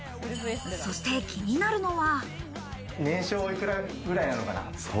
そして気になるのは。